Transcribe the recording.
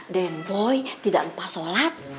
dan boy tidak lupa sholat